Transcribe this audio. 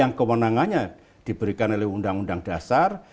yang kewenangannya diberikan oleh undang undang dasar